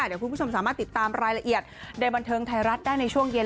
เดี๋ยวคุณผู้ชมสามารถติดตามรายละเอียดในบันเทิงไทยรัฐได้ในช่วงเย็น